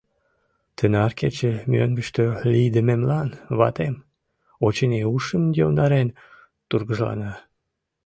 «Тынар кече мӧҥгыштӧ лийдымемлан ватем, очыни, ушым йомдарен тургыжлана.